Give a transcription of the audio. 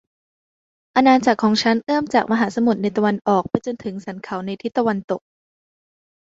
อาณาจักรของฉันเอื้อมจากมหาสมุทรในตะวันออกไปจนถึงสันเขาในทิศตะวันตก